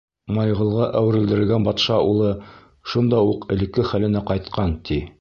Маймылға әүерелдерелгән батша улы шунда уҡ элекке хәленә ҡайтҡан, ти.